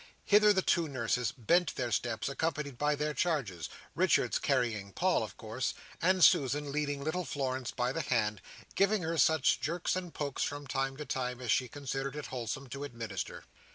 Hither the two nurses bent their steps, accompanied by their charges; Richards carrying Paul, of course, and Susan leading little Florence by the hand, and giving her such jerks and pokes from time to time, as she considered it wholesome to administer.